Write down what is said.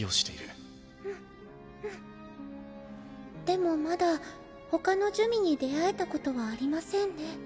でもまだほかの珠魅に出会えたことはありませんね。